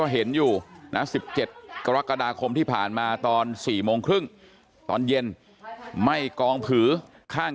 เห็นอยู่นะ๑๗กรกฎาคมที่ผ่านมาตอน๔โมงครึ่งตอนเย็นไหม้กองผือข้าง